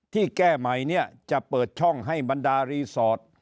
ที่แก้ใหม่เนี่ยจะเปิดช่องให้บรรดารีสอร์ท